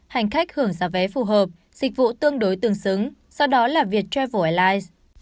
hành khách hưởng giá vé phù hợp dịch vụ tương đối tương xứng do đó là viet travel airlines